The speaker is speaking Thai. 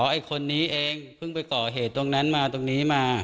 ไอ้คนนี้เองเพิ่งไปก่อเหตุตรงนั้นมาตรงนี้มา